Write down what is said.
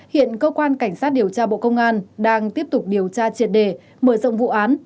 hiện cơ quan cảnh sát điều tra bộ công an đang tiếp tục điều tra triệt đề mở rộng vụ án